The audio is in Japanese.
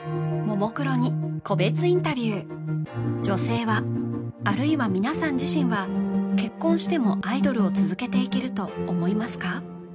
ももクロに個別インタビュー女性はあるいは皆さん自身は結婚してもアイドルを続けていけると思いますか？